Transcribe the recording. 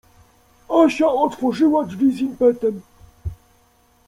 Asia otworzyła drzwi z impetem.